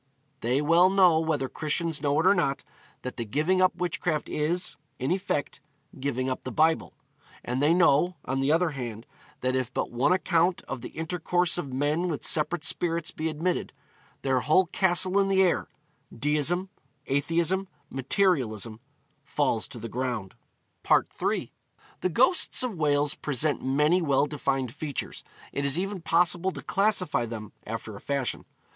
They well know, whether Christians know it or not, that the giving up witchcraft is, in effect, giving up the Bible. And they know, on the other hand, that if but one account of the intercourse of men with separate spirits be admitted, their whole castle in the air deism, atheism, materialism falls to the ground.' III. The ghosts of Wales present many well defined features. It is even possible to classify them, after a fashion.